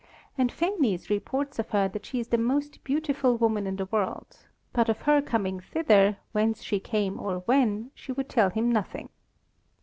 And Phanes reports of her that she is the most beautiful woman in the world, but of her coming thither, whence she came or when, she would tell him nothing.